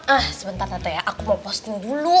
eh sebentar tante ya aku mau posting dulu